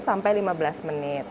sampai lima belas menit